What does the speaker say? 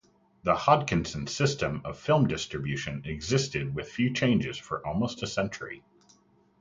The 'Hodkinson System' of film distribution existed with few changes for almost a century.